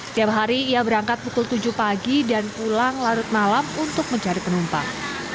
setiap hari ia berangkat pukul tujuh pagi dan pulang larut malam untuk mencari penumpang